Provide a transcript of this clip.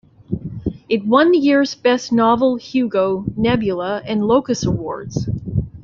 It won the year's "Best Novel" Hugo, Nebula and Locus Awards.